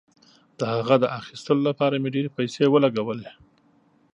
د هغه د اخیستلو لپاره مې ډیرې پیسې ولګولې.